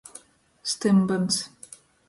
Stymbyns.